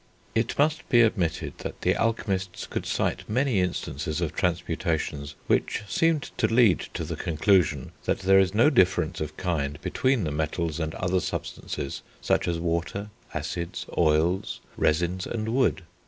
It must he admitted that the alchemists could cite many instances of transmutations which seemed to lead to the conclusion, that there is no difference of kind between the metals and other substances such as water, acids, oils, resins, and wood.